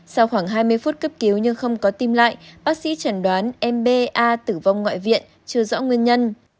sau khoảng hai mươi phút cấp cứu nhưng không có tim lại bác sĩ chẳng đoán mba tử vong ngoại viện chưa rõ nguyên nhân